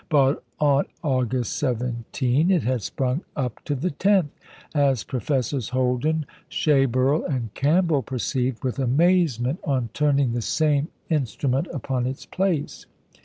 But on August 17 it had sprung up to the tenth, as Professors Holden, Schaeberle, and Campbell perceived with amazement on turning the same instrument upon its place.